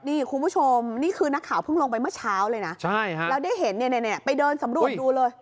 นี่คุณผู้ชมนี่คือนักข่าวเพิ่งลงไปเมื่อเช้าเลยนะแล้วได้เห็นเนี่ยไปเดินสำรวจดูเลย